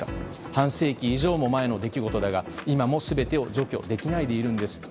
半世紀以上も前の出来事だが今も全てを除去できないでいるんですと。